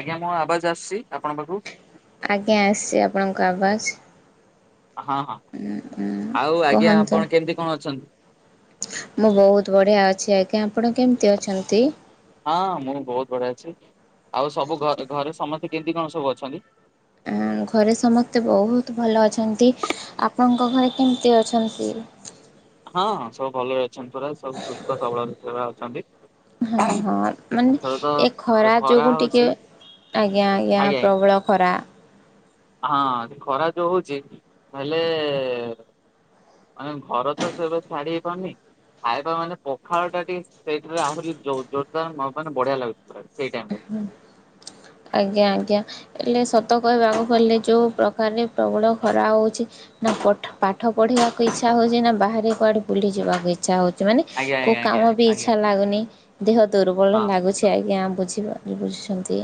ଆଜ୍ଞା ମୁଁ ଆବାଜ ଆସିଛି ଆପଣଙ୍କ ପାଖକୁ। ଆଜ୍ଞା ଆସିଛି ଆପଣଙ୍କ ଆବାଜ। ହଁ ହଁ ହଁ ଆଉ ଆଜ୍ଞା କୁହନ୍ତୁ ଆପଣ କେମିତି କଣ ଅଛନ୍ତି? ମୁଁ ବହୁତ ବଢିଆ ଅଛି ଆଜ୍ଞା। ଆପଣ କେମିତି ଅଛନ୍ତି? ହଁ ମୁଁ ବହୁତ ବଢିଆ ଅଛି ଆଉ ସବୁ ଘ ଘରେ ସମସ୍ତେ କେମିତି କଣ ସବୁ ଅଛନ୍ତି। ଘରେ ସମସ୍ତେ ବହୁତ ଭଲ ଅଛନ୍ତି। ଆପଣଙ୍କ ଘରେ କେମିତି ଅଛନ୍ତି? ହଁ ହଁ ସବୁ ଭଲରେହିଛି ରା ସବ ସୁସ୍ଥ ସବଳ ଅଛନ୍ତିଛନ୍ତି ହଁ ହଁ ମାନେ ଏ ଯୋଉ ଖରା ଯୋଗୁ ଟିକେ ହଉଛି ଆଜ୍ଞା ଆଜ୍ଞା ପ୍ରବଳ ଖରା। ହଁ ଖରା ଯୋଉ ହଉଛି ହେଲେ ମାନେ ଘର ତ ସେବେ ଛାଡି ହେଇ ପାରୁନି ଖାଇବା ମାନେ ପଖାଳ ଟା ଟିକେ ସେଇଠରେ ଆହୁରି ଜୋରଦାର ମାନେ ବଢିଆ ଲାଗୁଛି ଖ ହଁ ଆଜ୍ଞା ଆଜ୍ଞା। ହେଲେ ସତ କହିବାକୁ ଗଡ଼ଲେ ଯେଉଁ ପ୍ର୍ରକାରରେ ପ୍ରବଳ ଖରା ହେଉଛି ନାଠ ପାଠ ପଢ଼ିବାକୁ ଇଚ୍ଛା ହେଉଛି ନା ବାହାରେ କୁଆଡ଼େ ବୁଲିଯିବାକୁ ଇଚ୍ଛା ହେଉଛି। ମାନେ ଆଜ୍ଞା କୋଉ ଆଜ୍ଞା ଆଜ୍ଞା କାମ ବି ଆଜ୍ଞା ଇଚ୍ଛା ଲାଗୁନି ଦେହ ଦୁର୍ବଳ ହଁ ଲାଗୁଛି ଆଜ୍ଞା ବୁଝିବା ବୁଝୁଛନ୍ତି।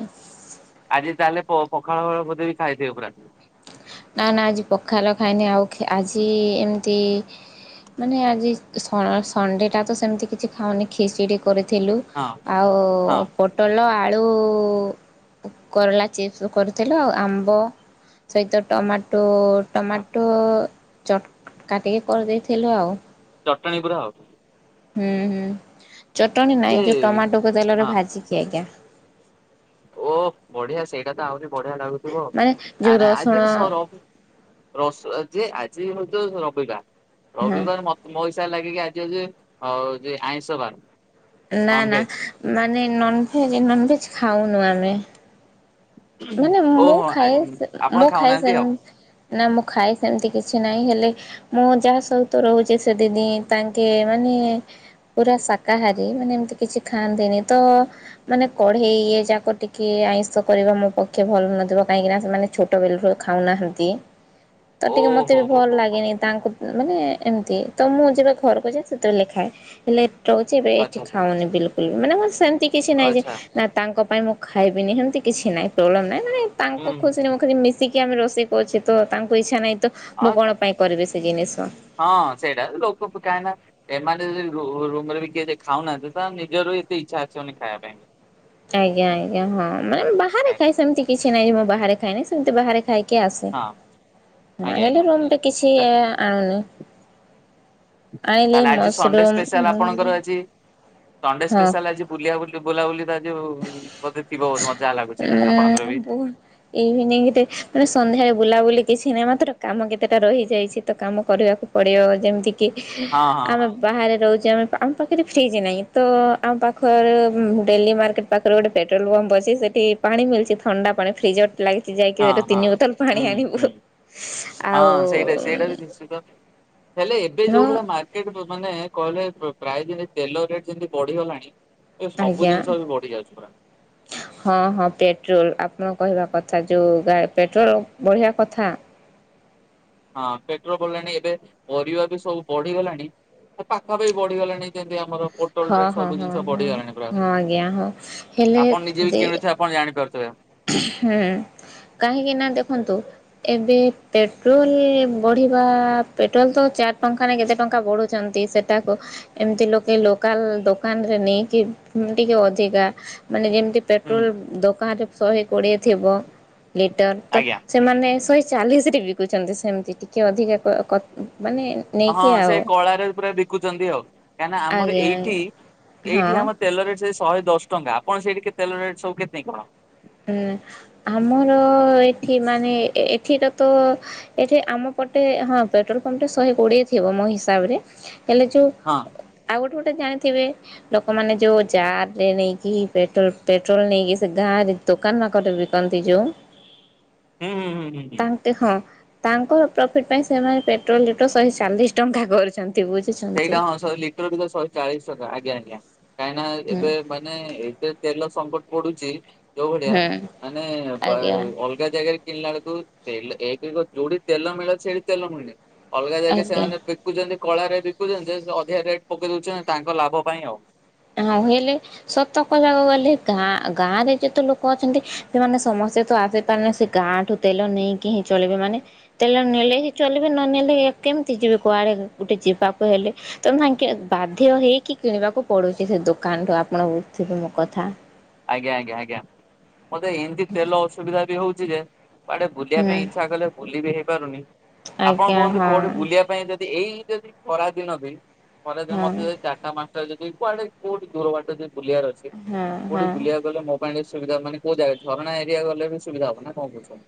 ଆଜି ତାହେଲେ ପଖାଳ ଫଖାଳ ବୋଧେ ବି ଖାଇଥିବ ପୁରା ନା ନା ଆଜି ପଖାଲ ଖାଇନି ଆଉ ଆଜି ଏମିତି ମାନେ ଆଜି ସଣ୍ଡେ ଟା ତ ସେମିତି କିଛି ଖାଉନି ଖିଚିଡି କରିଥିଲୁ ହଁ ଆଉ ହଁ ପୋଟଲ ଆଳୁ ଉ କରଲା ଚିପ୍ସ କରିଥିଲୁ ଆଉ ଆମ୍ବ ସହିତ ଟମାଟ ତୋ ଟମାଟୋ ଚଟ କାଟିକି କରିଦେଇଥିଲୁ ଆଉ। ଚଟଣୀ ପୁରା ଆଉ। ହୁଁ ହୁଁ। ଚଟଣି ଯେ ନାହିଁ ଯେଉଁ ଟମାଟୋକୁ ତେଲରେ ହଁ ଭାଜିକି ଆଜ୍ଞା। ଓ ବଢିଆ ସେଇଟା ତ ଆହୁରି ବଢିଆ ଲାଗୁଥିବ ମାନେ ଯୋଉ କାହିଁ ନାଁ ରସୁଣ ଆଜି ର ଯେ ଆ ସେ ହଉଛ ରବିକା ହଁ ରବିବାର ମତ ମ ଲାଗେ କି ଆଜି ଆଉ ଆଇଁଷ ବାର ନା ନା ନନଭେଜ ମାନେ ନନଭେଜ ନନଭେଜ ଖାଉ ନୁ ଆମେ। ମାନେ ମୁଁ ଓହୋ ଆ ଖାଏ ଆପଣ ମୁଁ ଖାଉନାହାନ୍ତି ଖାଏସ ଆଉ ନା ମୁଁ ଖାଏ ସେମିତି କିଛି ନାହିଁ ହେଲେ ମୁଁ ଯାହା ସହିତ ରହୁଛି ସେ ଦିିଦି ତାଙ୍କେ ମାନେ ପୁରା ଶାକାହାରୀ ମାନେ ଏମିତି କିଛି ଖାଆନ୍ତିନି ତ ମାନେ କଢ଼େଇ ଇ ଯାକ ଟିକେ ଆଇଁଷ କରିବା ମୋ ପକ୍ଷେ ଭଲ ନଥିବ କାହିଁକିନା ସେମାନେ ଛୋଟ ବେଲରୁ ଖାଉନାହାନ୍ତି। ତ ଟିକେ ମତେ ଓହୋ ବି ହୋ ଭଲ୍ ହୋ ହୋ ଲାଗେନି ତାଙ୍କୁ ମାନେ ଏମିତି ତ ମୁଁ ଯେବେ ଘରକୁ ଯାଏଁ ସେତେବେଲେ ଖାଏ ହେଲେ [unintelligible] ଏବେ ଏଠି ଆଚ୍ଛା ଆଚ୍ଛା ଖାଉନି ବିଲକୁଲ ମାନେ ମୁଁ ସେମିତି କିଛି ନାଇଁ ଯେ ଆଚ୍ଛା ନା ତାଙ୍କ ପାଇଁ ମୁଁ ଖାଇବିନି ହେମିତି କିଛି ନାଇଁ। [unintelligible] ମାନେ ହୁଁ। ତାଙ୍କ ଖୁସିରେ ମୁଁ ଖାଲି ମିଶିକି କି ଆମେ ରୋଷେଇ କରୁଛେ ତ ତାଙ୍କୁ ଇଚ୍ଛା ନଇଁ। ତ ଅ ମୁଁ କଣ ପାଇଁ କରିବି? ସେଇ ଜିନିଷ ହଁ ସେଇଟା ଲୋକ କାଇଁ ନା ଏମାନେ ଯଦି ରୁ ରୁ ରୁମରେ ବି କିଏ ଯେ ଖାଉନାହାନ୍ତି ତ ନିଜର ଏତେ ଇଚ୍ଛା ଆସିବନି ଖାଇବା ପାଇଁ ବି। ଆଜ୍ଞା ଆଜ୍ଞା ହଁ ମାନେ ବାହାରେ ଆଜ୍ଞା ଖାଏ ସେମିତି କିଛି ନାଇଁ ବା ବାହାରେ ଖାଏନି ସେିତି ବାହାରେ ଖାଇ [unintelligible] ଆସେ ଆଜ୍ଞା ହଁ ହୁଁ ଆଜ୍ଞା ହେଲେ ରୁମକେ କିଛି ଆଜ୍ଞା। ଆଣୁନି। ଆଇଁଲେ ତାହେଲେ ଆଜି ସଣ୍ଡେ ମସରୁମ ସ୍ପେଶାଲ ଆପଣଙ୍କର ନହେଲେ ଆଜି ସଣ୍ଡେ ହଁ ସ୍ପେଶାଲ ଆଜି ବୁଲିିଆ ବୁଲି ବୁଲାବୁଲି ଦା ଯୋଉ ବୋଧେ ଯିବ ବୋଧେ ମଜା ଲାଗୁଚି ଆପଣଙ୍କର ବି। ବହୁ ଇଭିନିଂରେ ମାନେ ସନ୍ଧ୍ୟାରେ ବୁଲାବୁଲି କି [unintelligible] [unintelligible] ହଁ ହଁ ଆମ ପାଖରେ ଫ୍ରିଜ୍ ନାହିଁ ତ ପାଖରେ ଗୋଟେ ପେଟ୍ରୋଲ ପମ୍ପ ଅଛି ସେଠି ପାଣି ମିଳୁଛି ଥଣ୍ଡା ପାଣି ଫ୍ରିଜର ଲାଗିଛି ଯାଇକି ସେଠୁ ହଁ ତିନି ବୋତଲ ପାଣି ଆଣିବୁ ହଁ ହୁଁ ଆଉ ହୁଁ ପ୍ରାୟ ହଁ [unintelligible] ତେଲ ରେଟ୍ ଯେମିତି ବଢିଗଲାଣି ଏ ସବୁ ଆଜ୍ଞା ଜିନିଷ ବି ବଢି ଯାଉଛି ପୁରା ହଁ ହଁ ପେଟ୍ରୋଲ ଆପଣ କହିବା କ ତା ଯୋଉ ଗା ପେଟ୍ରୋଲ ବଢିଆ କଥା। ହଁ ପେଟ୍ରୋ ବଢିଲାଣି ଏବେ ପରିବା ବି ସବୁ ବଢିଗଲାଣି ପାଖାପାଖି ବଢିଗଲାଣି ଯେମିତି ଆମର ପୋଟଲ ହଁ ରେଟ୍ ହଁ ସବୁ ହଁ ଜିନିଷ ହଁ ବଢିଗଲାଣି ପୁରା। ହଁ ଆଜ୍ଞା ହଁ ହେଲେ ଆପଣ ନିଜେ ବି ଯେ କିଣୁଥିବେ ଆପଣ ଜାଣିପାରୁଥିବେ ହୁଁ କାହିଁକି ନା ଦେଖନ୍ତୁ ଏବେ ପେଟ୍ରୋଲ ବଢିବାଆ ପେଟ୍ରୋଲ ତ ଚାରି ଟଙ୍କା ନା କେତେ ଟଙ୍କା ବଢୁଛନ୍ତି ସେଟାକୁ ଏମତି ଲୋକେ ଲୋକାଲ ଦୋକାନରେ ନେଇକି ଟିକେ ଅଧିକା ମାନେ ଯେମତି ହୁଁ ପେଟ୍ରୋଲ ଦୋକାନରେ ଶହେ କୋଡ଼ିଏ ଥିବ। ଲିଟର ତ ଆଜ୍ଞା। ସେମାନେ ଶଏ ଚାଲିଶରେ ବିକୁଚନ୍ତି ସେମତି ଟିକେ ଅଧିକା କ କ ହଁ ସେ କଳାରେ ପୁରା ବିକୁଛନ୍ତି ଆଉ କାହିଁକିନା ଆମର ଆଜ୍ଞା ଆଜ୍ଞା ଏଇଠି ହଁ ଏଇଠି ଆମ ତେଲରେ ସେଇ ଶହେ ଦଶ ଟଙ୍କା। କଣ ସେଇଠି [unintelligible] ତେଲ ରେଟ ସବୁ କେତେଁ କଣ? ହୁଁ ଆମର ଏଠି ମାନେ ଏଠିକା ତ ଏଠି ଆମ ପଟେ ହଁ ପେଟ୍ରୋଲ ପମ୍ପ ଟା ଶହେ କୋଡିଏ ଥିବ ମୋ ହିସାବରେ ହେଲେ ଯୋଉ ହଁ ଆଉ ଗୋଟେ ଗୋଟେ ଜାଣିଥିବେ ଲୋକମାନେ ଯୋଉ ଜାର ରେ ନେଇକି ପେଟ୍ରୋଲ ପେଟ୍ରୋଲ ନେଇକି ସେ ଗାଁ ରେ ଦୋକାନ ମାନଙ୍କରେ ବିକନ୍ତି ଯୋଉ ହୁଁ ହୁଁ ହୁଁ ହୁଁ। ତାଙ୍କର ପ୍ରଫିଟ ପାଇଁ ସେମାନେ ପେଟ୍ରୋଲ ଲିଟର ଶହେ ଚାଳିଶ ଟଙ୍କା କରିଛନ୍ତି। ସେଇଟା ହଁ ଶହେ ଲିଟର ବି ତ ଶହେ ଚାଳିଶ ଟଙ୍କା ଆଜ୍ଞା ଆଜ୍ଞା। କାହିଁନା ହୁଁ ଏବେ ମାନେ ଏତେ ତେଲ ସଟ୍ କଟ୍ ପଡୁଛି ଯୋଉ ଭଳିଆ ହୁଁ ମାନେ ଆଜ୍ଞା ଅଲଗା ଜାଗାରେ କିଣିଲା ବେଳକୁ ଏକରେ ତ ଯୋଉଠି ତେଲ ମିଳେ ସେଠି ତେଲ ମିଳୁ ଅଲଗା ଜାଗା ଆଜ୍ଞା। ସେମାନେ ବିକୁଛନ୍ତି। କଳାରେ ବି। ବିକୁଛନ୍ତି ଅଧିକା ରେଟ୍ ପକେଇ ଦଉଛନ୍ତି ତାଙ୍କ ଲାଭ ପାଇଁ ଆଉ। ହଉ ହେଲେ ସତ କହିବାକୁ ଗଲେ ଗାଁ ଗାଁ ରେ ଯେତେ ଲୋକ ଅଛନ୍ତି ସେମାନେ ସମସ୍ତେ ତ ଆସିପାରନେ ସେ ଗାଁ ଠୁ ତେଲ ନେଇକି ହିଁ ଚଳିବେ ମାନେ ତେଲ ନେଲେ ହିଁ ଚଲିବେ ନ ନେଲେ କେମିତି ଯିବେ କୁଆଡେ ଗୋଟେ ଯିବାକୁ ହେଲେ ତମ ସାଙ୍ଗେ ବାଧ୍ୟ ହେଇକି କିଣିବାକୁ ପଡୁଛି ସେ ଦୋକାନୁ ରୁ ଆପଣଥିବେ ମୋ କଥା। ଆଜ୍ଞା ଆଜ୍ଞା। ମତେ ଏମିତି ତେଲ ଅସୁବିଧା ବି ହଉଛି ଜି ଯେ କୁଡେ ବୁଲିବା ହୁଁ ପାଇଁ ଇଚ୍ଛା କଲେ ବୁଲିି ହେଇି ପାରୁନି। ଆପଣ ଆଜ୍ଞା କୁହନ୍ତୁ ହଁ କୋଉଆଡେ ବୁଲିବା ପାଇଁ ଯେ ଏଇ ଯଦି ଖରାଦିନ ବି ଘରେ ଯୋଉ ହଁ ମକି ଚାଟା ମା ଇଛା ହେଉଛି ଯଦି କୁଆଡେ କୋଉଠି ଦୂର ବାଟ ବୁଲିବାର ଅଛି। ହଁ କଉଠି ହଁ ବୁଲିଆକୁ ଗଲେ ମ ପାଣିର ବି ସୁବିଧା ମାନେ କୋଉ ଜାଗା ଝରଣା ଏରିଆ ଗଲେ ବି ସୁବିଧା ହବ ନା କଣ କହୁଛ?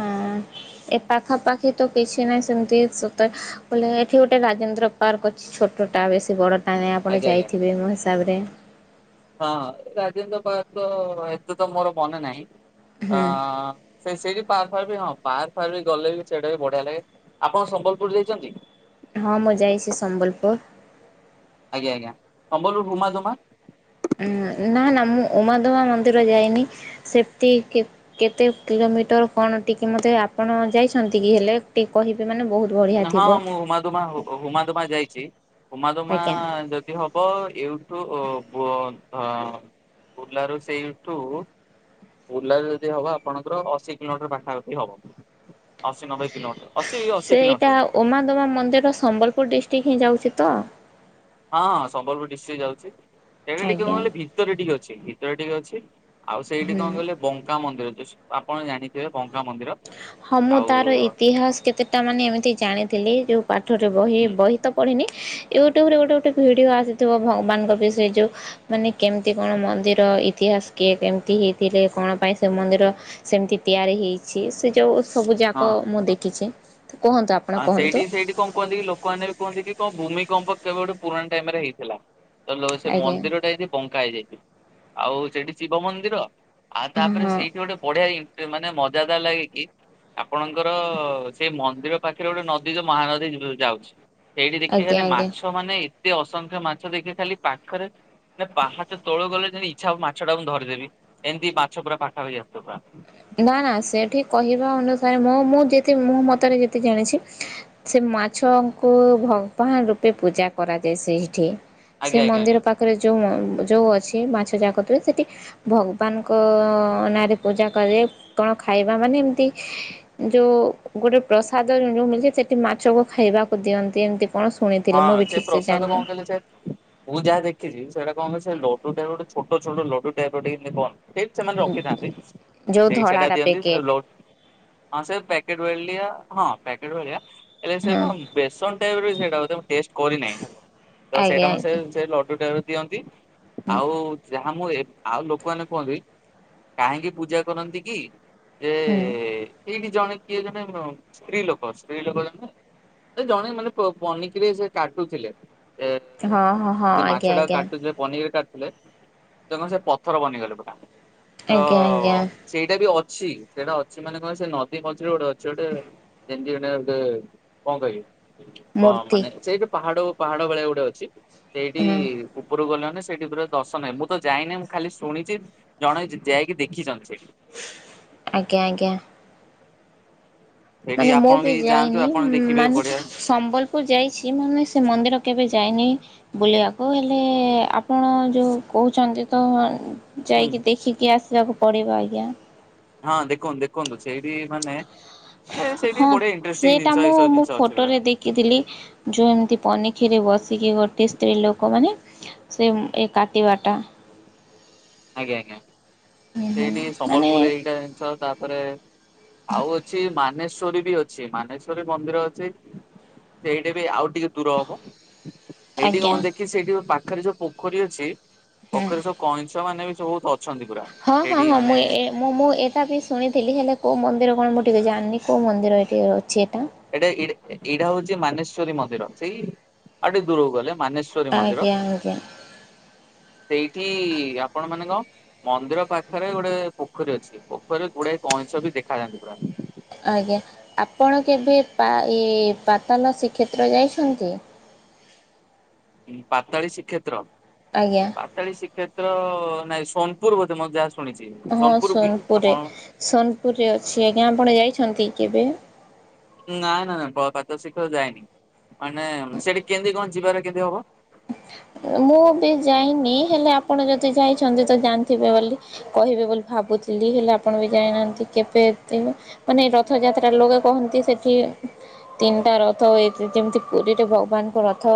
ହଁ ଏ ପାଖାପାଖି ତ କିଛି ନାହିଁ ସେମିତି ସେତେ ବୋଲେ ଏଠି ଗୋଟେ ରାଜେନ୍ଦ୍ର ପାର୍କ ଅଛି ଛୋଟଟା ବେଶୀ ବଡ ତାଲେ ଆପଣ ଆଜ୍ଞା ଆଜ୍ଞା ଯାଇଥିବେ ମୋ ହିସାବରେ? ହଁ ରାଜେନ୍ଦ୍ର ପାର୍କ ତ ଏତେ ତ ମୋର ମନେ ନାହିଁ। ହୁଁ ଆଁ ସେ ସେଇଠି ପାର୍କ ଫାର୍କ ବି ହଁ ପାର୍କ ଫାର୍କ ବି ଗଲେ ବି ସେଇଟା ବି ବଢିଆ ଲାଗେ ଆପଣ ସମ୍ବଲପୁର ଯାଇଛନ୍ତି? ହଁ ମୁଁ ଯାଇଛି ସମ୍ବଲପୁର। ଆଜ୍ଞା ଆଜ୍ଞା ସମ୍ବଲରୁ ବୁମା ଦୁମା। ଉଁ ନା ନା ମୁଁ ଉମାଦମା ମନ୍ଦିର ଯାଇନି ସେମତି କେତେ କିଲୋମିଟର କଣ ଟିକେ ମତେ ଆପଣ ଯାଇଛନ୍ତି କି ହେଲେ ଟିକେ କହିବେ ମାନେ ବହୁତ ବଢ଼ିଆ ହଁ ଥିବ ମୁଁ ହୁମାଦୁମା ହୁମାଦୁମା ଯାଇଛି ହୁମାଦୁମା ଆଜ୍ଞା ଯଦି ହବ ଏଠୁ ହଁ ପୁଲାରୁ ସେଇଠୁ ଓଲା ଯଦି ହବ ଆପଣଙ୍କର ଅଶି କିଲୋମିଟର ପାଖାପାଖି ହବ। ଅଶୀ ନବେ କିଲୋମିଟର ଅଶୀ ଅଶୀ ସେଇଟା କିଲୋମିଟର ହଁ ଉମାଦମା ମନ୍ଦିର ସମ୍ବଲପୁର ଡିଷ୍ଟ୍ରିକଟ ହିଁ ଯାଉଛି ତ। ହଁ ହଁ ସମ୍ବଲପୁର ଡିଷ୍ଟ୍ରିକ୍ଟ ଯାଉଛି ସେଇଟା ଟିକେ ଆଜ୍ଞା କହଲେ ଭିତରେ ଟିକେ ଅଛି। ଭୀିତରେ ଟିକେ ଅଛି। ଆଉ ସେଇଠି ହୁଁ କଣ କହିଲେ ବଙ୍କା ମନ୍ଦିର ଆପଣ ଜାଣିଥିବେ ମନ୍ଦିର ହଁ ମୁଁ ଆଉ ତାର ଇତିହାସ କେତେଟା ମାନେ ଏମିତି ଜାଣିଥିଲି ଯୋଉ ପାଠରେ ବହି ହୁଁ ବହି ତ ପଢ଼ିନି ୟୁଟ୍ୟୁବରେ ଗୋଟେ ଗୋଟେ ଭିଡ଼ିଓ ଆସିଥିବ ଭଗବାନଙ୍କ ବିଷୟ ଯେଉଁ ମାନେ କେମିତି କଣ ମନ୍ଦିର ଇତିହାସ କିଏ କେମିତି ହେଇଥିଲେ କଣ ପାଇଁ ସେ ମନ୍ଦିର ସେମିତି ତିଆରି ହେଇ ଅଛି ସେ ଯୋଉ ସବୁଯାକ ମୁଁ ଦେଖିଛି। ତ କୁହନ୍ତୁ ଆପଣ ଆଁ କୁହନ୍ତୁ ସେଇଠି ସେଇଠି କଣ କୁହନ୍ତି କି ଲୋକମାନୋନ କହନ୍ତି କି କଣ ଭୂମି ମ୍ପ କେବେ ଗୋଟେ ପୁରୁଣା ଟାଇମ ରେ ହେଇଥିଲା। ତାହଲେ ସେ ଆଜ୍ଞା ମନ୍ଦିରଟା ହେଇଛି ବଙ୍କା ହେଇଯାଇଛି। ଆଉ ସେଠି ଶିବ ମନ୍ଦିର ଆଉ ତାପରେ ହଁ ସେଇଠି ଗୋଟେ ବଢିଆଣ୍ ମାନେ ମାନେ ମଜାଦାର ଲାଗିକି ଆପଣଙ୍କର ସେଇ ମନ୍ଦିର ପାଖରେ ଗୋଟେ ନଦୀ ଯ ମହାନଦୀ ଯାଉଛି ସେଇଠି ଦେଖି ଆଜ୍ଞା ଗଲେ ଆଜ୍ଞା ମାଛ ମାନେ ସେ ଅସଂଖ୍ୟ ମାଛ ଦେଖି ଖାଲି ପାଖରେ ପାହାଚ ତୋଳ ଗଲେ ଯେତି ଇଚ୍ଛା ହବ ମାଛ ଟା ମୁଁ ଧରିଦେବି। ଏମିତି ମାଛ ପୁରା ପାଖା ହେ ଆସିବ ପୁରା ନା ନା ସେଠି କହିବା ଅନୁସାରେ ମୁଁ ମୁଁ ଯେ ମୋ ମତରେ ଯେତିି ଜାଣିଛି ସେ ମାଛଙ୍କୁ ଭଗବାନ ରୂପେ ପୂଜା କରାଯାଏ ସେଇଠି। ସେ ଆଜ୍ଞା ଆଜ୍ଞା ଆଜ୍ଞା। ମନ୍ଦିର ପାଖରେ ଯୋଉ ଯେଉଁ ଅଛି ମାଛ ଯାଗତୁଏ ସେଠି ଭଗବାନଙ୍କ ନାଁରେ ପୂଜା କରାଯାଏ। କଣ ଖାଇବା ମାନେ ଏମତି ଯୋଉ ଗୋଟେ ପ୍ରସାଦ ଯୋଉ ମିଳିଛି ସେଠି ମାଛକୁ ଖାଇବାକୁ ଦିଅନ୍ତି ଏମିତି କଣ ଶୁଣିଥିଲି ହଁ ମୁଁ ବି ସେ ଠିକ୍ ପ୍ରସାଦ ଜାଣିନି। କଣ କହିଲେ ସେ ମୁଁ ଯାହା ଦେଖିଛି ସେଟା କମ ସେ ଲୁ ଟାଇପ ଗୋଟ ଛୋଟ ଛୋଟ ଲୁ ଟାଇପ ର ଟେମି କହନ ସେଇଠ ସେମାନେ ରଖିଥାନ୍ତି ଯୋଉ ସେଇ ସେଇଟା ଧଳାଟା ଦିଅନ୍ତି ପ୍ୟାକେଟ ଲୋ ହଁ ସେ ପ୍ୟାକେଟ୍ ବେଳଲିଆ ହଁ ପ୍ୟାକେଟ ଭଳିଆ ଏ ସେ ହଁ କ ବେେଶଣ୍ ଟା ଏବ ସେଟ ଟେଷ୍ଟ କରି ନାହିଁ ତ ଆଜ୍ଞା ସେଇଟା ମ ସେ ଆଜ୍ଞା ସେ ଲଟୁ ଟାଇପ ର ଦିଅନ୍ତି ହୁଁ ଆଉ ଯ ହ ମୁଁ ଆଉ ଲୋକମାନୋନ କୁହନ୍ତି କାହିଁକି ପୂଜା କରନ୍ତି କି ଯେ ହୁଁ। ଏଇ ଜଣେ କିଏ ଜଣେ ସ୍ତ୍ରୀ ଲୋକ ସ୍ତ୍ରୀ ଲୋକ ଜଣେ ଜଣେ ମାନେ ବ ସେ କାଟୁଥିଲେ ଏ ହଁ ହଁ ହଁ ଯେ ଆଜ୍ଞା ମାଛ ଟା ଆଜ୍ଞା କାୁ ଯେ ପନି କାଟୁ ତ ସେ ପଥର ବନିଗଲେ ପୋଟା ତ ଆଜ୍ଞା ଆଜ୍ଞା। ସେଇଟା ବି ଅ ଅଛି ସେଇଟା ଅଛି ମାନେ କହ ସେ ନଦୀ ମଛିରେ ଗୋଟେ ଅଛି ଗୋଟେ ଯେମତି ଗାନେ ଗୋଟେ କଣ କହିବି ହ ମୂର୍ତ୍ତି ମାନେ ସେଇଟ ପାହାଡ ପାହାଡ ଭଳିଆ ଗୋଟେ ଅଛି ସେଇଠି ହୁଁ ଉପରୁକୁ ଗଲେ ସେଇଠି ପରେ ଦର୍ଶନହିଁ ମୁଁ ତ ଯାଇନି ମୁଁ ଖାଲି ଶୁଣିଛି ଜଣେ ଯାଇକି ଦେଖିଛନ୍ତି ସେଇଠି ଆଜ୍ଞା ଆଜ୍ଞା ସେଇଠି ମାନେ ମୁଁ ଆପଣ ବି ଯାଆନ୍ତୁ ଯାଇନି ଆପଣ ଦେଖିବେ ମାନେ ବଢିଆ ସମ୍ବଲପୁର ଯାଇଛି ମାନେ ସେ ମନ୍ଦିର କେବେ ଯାଇନି ବୁଲିବାକୁ ହେଲେ ଆପଣ ଯୋଉ କହୁଛନ୍ତି ତ ହୁଁ। ଯାଇକି ଦେଖିକି ଆସିବାକୁ ପଡିବ ଆଜ୍ଞା। ହଁ ଦେଖନ୍ତୁ ଦେଖନ୍ତୁ ସେଇଠି ମାନେ ମାନେ ସେଇଠି ହଁ ବଢିଆ ଇଣ୍ଟରେଷ୍ଟିଂ ସେଟା ଜିନିଷ ମୁଁ ଏଇ ସବୁ ମୁଁ ଜିନିଷ ଅଛି ଫଟୋ ପୁରା। ରେ ଦେଖିଥିଲି ଯୋଉ ଏମିତି ପନିକିରେ ବସିକି ଗୋଟେ ତ୍ରୀ ସ୍ତ୍ରୀ ଲୋକମାନେେ ସେ ଏ କାଟିବାଟା ଆଜ୍ଞା ଆଜ୍ଞା ହୁଁ ହୁଁ ସେଇଠି ମାନେ ସମ୍ବଲପୁର ଏଇଟା ଜିନିଷ ତାପରେ ଆଉ ଅଛି ମାନ େଶଵରୀ ବି ଅଛି ମାନେଶ୍ଵରୀ ମନ୍ଦିର ଅଛି ସେଇଟା ବି ଆଉ ଟିକେ ଦୂର ହବ ଏଇଠି ଆଜ୍ଞା କଣ ଦେଖି ସେଇଠି ପାଖ ପାଖରେ ଯୋଉ ପୋଖରୀ ଅଛି। ହୁଁ। ପଖରେ ସବ କହ ସେମାନେ ବି ସବୁତ ହଁ ହଁ ହଁ ମୁଁ ଏ ମୁଁ ମୁଁ ଏଟା ବି ଶୁଣିଥିଲି ହେଲେ କୋଉ ମନ୍ଦିର କଣ ଟିକେ ଜାଣିନି କୋଉ ମନ୍ଦିର ଏଠି ଅଛିତ। ଏଇଟା ଏଇଟା ହଉଛି ମାନେଶ୍ଵରୀ ମନ୍ଦିର ସେଇ ଆଉ ଟିକେ ଦୂରକୁ ଗଲେ। ମାନେଶ୍ଵରୀ ମନ୍ଦିର ଆଜ୍ଞା ଆଜ୍ଞା ସେଇଠି ଆପଣ ମାନେଙ୍କ ମନ୍ଦିର ପାଖରେ ଗୋଟେ ପୋଖରୀ ଅଛି ପୋଖରୀରେ ଗୁଡାଏ କଇଁଛ ବି ଦେଖାଯାନ୍ତି ପୁରା ଆଜ୍ଞା ଆପଣ କେବେ ପା ଏ ପାତାଲ ଶ୍ରୀକ୍ଷେତ୍ର ଯାଇଛନ୍ତି। ପାତାଳୀ ଶ୍ରୀକ୍ଷତ୍ର ଆଜ୍ଞା ପାତାଳିଶ ଶିକଷ କ୍ଷେ୍ର ନା ସୋନପୁର ମ ମ ହଁ ସୋନପୁରରେ ସୋନପୁରରେ ଅଛି ଆଜ୍ଞା ଆପଣ ଯାଇଛନ୍ତି କେବେ ନାଇ ନାଇ ନାଇଁ ପାାତ ଶିଖର ଯାଇନି ମାନେ ସେଠି କେମିତି କଣ ଯିବାର କେତେ ହବ। ମୁଁ ବି ଯାଇନି ହେଲେ ଆପଣ ଯଦି ଯାଇଛନ୍ତି ତ ଜାଣିଥିବେ ବୋଲି କହିବେ ବୋଲି ଭାବୁଥିଲି ହେଲେ ଆପଣ ବି ଯାଇନାହାନ୍ତି କେବେ ଏ ମାନେ ରଥଯାତ୍ରା ଲୋକେ କହନ୍ତି ସେଠି ତିନିଟା ରଥ ଏ ଯେମିତି ପୁରୀରେ ଭଗବାନଙ୍କ ରଥ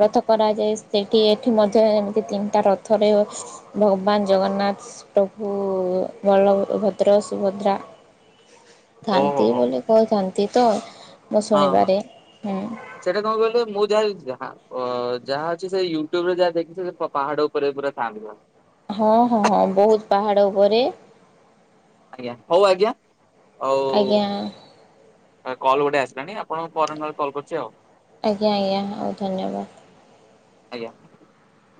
ରଥ କରାଯାଏ ସେଠି ଏଠି ମଧ୍ୟ ଯେମିତି ତିନିଟା ରଥରେ ଭଗବାନ ଜଗନ୍ନାଥ ପ୍ରଭୁ ବଲଭଦ୍ର ସୁଭଦ୍ରା ଓହୋ ଧଥାନ୍ତି ହୋ ବୋଲି କହୁଥାନ୍ତି। କି ତ ମୁଁ ହଁ ହଁ ଶୁଣିବାରେ ହୁଁ ସେଟା କଣ କହିଲେ ମୁଁ ଯାହା ଯଛି ଯାହା ଅ ଯାହା ଅଛି ସେ ୟୁଟ୍ୟୁବ ରେ ଯାହା ଦେଖି ପାହାଡ ଉପରେ ପୁରା ଥଲିବ ହଁ ହଁ ହଁ ବହୁତ ପାହାଡ଼ ଉପରେ ଆଜ୍ଞା ହଉ ଆଜ୍ଞା ଆଉ ଆଜ୍ଞା କଲ୍ ଗୋଟେ ଆସିଲାଣି ଆପଣଙ୍କୁ ପରେ ନହେଲେ କଲ୍ କରୁଛି ଆଉ। ଆଜ୍ଞା ଆଜ୍ଞା ହଉ ଧନ୍ୟବାଦ। ଆଜ୍ଞା